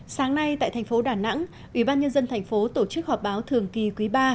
sáng nay tại thành phố đà nẵng ủy ban nhân dân thành phố tổ chức họp báo thường kỳ quý ba